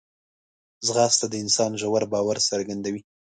ځغاسته د انسان ژور باور څرګندوي